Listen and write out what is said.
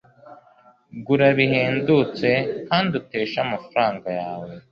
gura bihendutse kandi uteshe amafaranga yawe